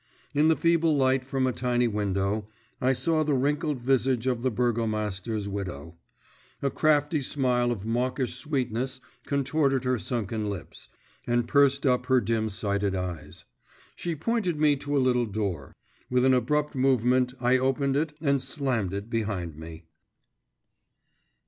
In the feeble light from a tiny window, I saw the wrinkled visage of the burgomaster's widow. A crafty smile of mawkish sweetness contorted her sunken lips, and pursed up her dim sighted eyes. She pointed me to a little door; with an abrupt movement I opened it and slammed it behind me.